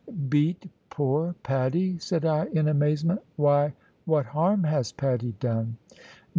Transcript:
"Beat poor Patty!" said I, in amazement. "Why, what harm has Patty done?"